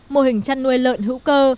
mô hình chăn nuôi lợn hữu cơ